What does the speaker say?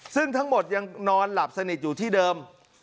ซึ่งทั้งหมดยังนอนหลับสนิทอยู่ที่เดิม